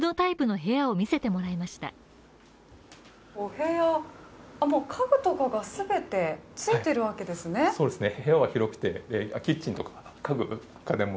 お部屋はもう家具とかが全てついてるわけですね